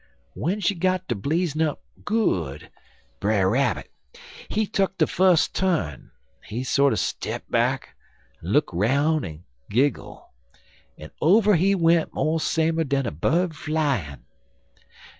W'en she got ter blazin' up good, Brer Rabbit, he tuck de fus turn. He sorter step back, en look 'roun' en giggle, en over he went mo' samer dan a bird flyin'.